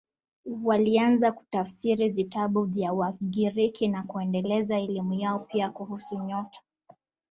Walianza kutafsiri vitabu vya Wagiriki na kuendeleza elimu yao, pia kuhusu nyota.